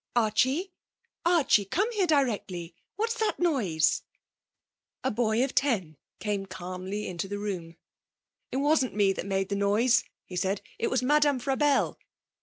'Archie Archie! Come here directly! What's that noise?' A boy of ten came calmly into the room. 'It wasn't me that made the noise,' he said, 'it was Madame Frabelle.'